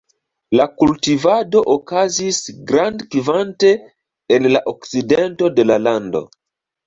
La kultivado okazis grandkvante en la okcidento de la lando.